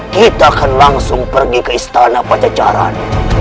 kita akan langsung pergi ke istana pajajaran